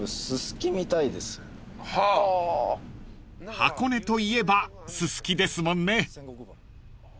［箱根といえばススキですもんね］